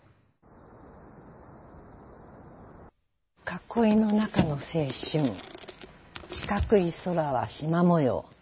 『囲いの中の青春』『四角い空は縞模様』